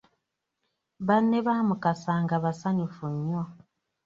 Banne ba Mukasa nga basanyufu nnyo